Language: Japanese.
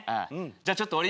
じゃあちょっとおれ